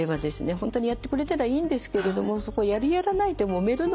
本当にやってくれたらいいんですけれどもそこやるやらないでもめるのもですね